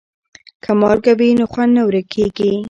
که مالګه وي نو خوند نه ورکیږي.